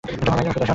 সে অনেক কথা।